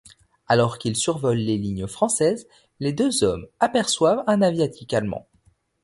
Alors qu'ils survolent les lignes françaises, les deux hommes aperçoivent un Aviatik allemand.